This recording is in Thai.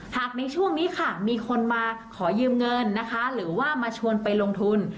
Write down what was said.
หากในช่วงนี้ค่ะมีคนมาขอยืมเงินนะคะหรือว่ามาชวนไปลงทุน